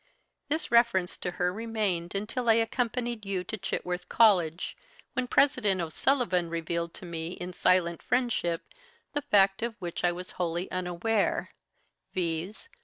This reference to her remained until I accompanied you to Chitworth College, when President O'Sullivan revealed to me in silent friendship the fact of which I was wholly unaware, viz.